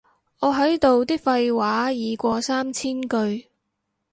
我喺度啲廢話已過三千句